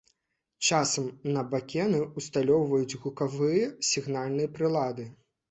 Часам на бакены абсталёўваюць гукавыя сігнальныя прылады.